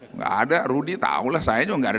enggak ada rudi tahulah saya juga enggak ada